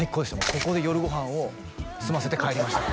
ここで夜ご飯を済ませて帰りました